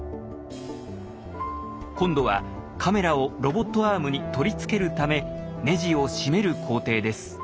今度はカメラをロボットアームに取り付けるためネジを締める工程です。